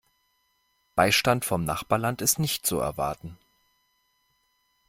Beistand vom Nachbarland ist nicht zu erwarten.